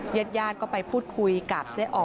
เย็ดย่านก็ไปพูดคุยกับเจ๋๊อ๋อ